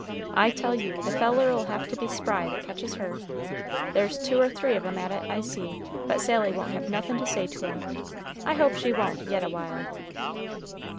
I tell you, the feller'll have to be spry that catches her. There's two or three of 'em at it, I see; but Sally won't have nothin' to say to 'em. I hope she won't, yet awhile."